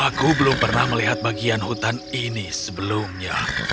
aku belum pernah melihat bagian hutan ini sebelumnya